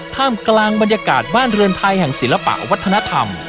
ท่ามกลางบรรยากาศบ้านเรือนไทยแห่งศิลปะวัฒนธรรม